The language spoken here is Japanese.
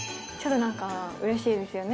うれしいですよね